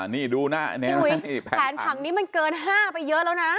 นี่ดูนะอันนี้แผนผังนี้มันเกิน๕ไปเยอะแล้วนะ